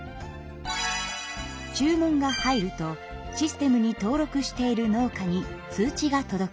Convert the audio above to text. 注文が入るとシステムに登録している農家に通知が届きます。